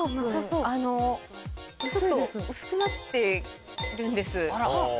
ちょっと薄くなってるんです。